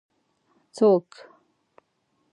ـ څوک؟